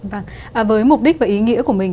vâng với mục đích và ý nghĩa của mình